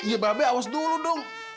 iya babe awas dulu dong